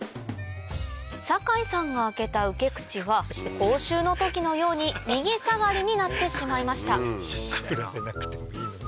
酒井さんが開けた受け口は講習の時のように右下がりになってしまいました